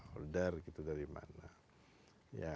order gitu dari mana